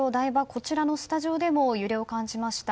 こちらのスタジオでも揺れを感じました。